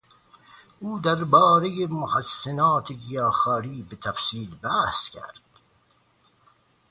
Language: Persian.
او دربارهی محسنات گیاهخواری به تفصیل بحث کرد.